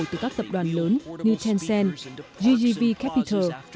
từ các tập đoàn lớn như tencent ggv capital